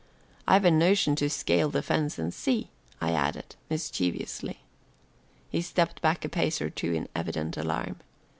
"I've a notion to scale the fence and see," I added mischievously. He stepped back a pace or two in evident alarm.